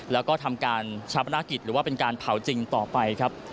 แล้วก็ทำการชาปนากิจหรือว่าเป็นการเผาจริงต่อไปครับ